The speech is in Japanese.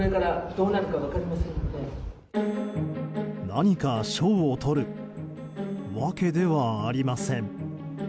何か賞を取るわけではありません。